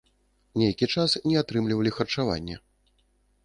Нейкі час не атрымлівалі харчаванне.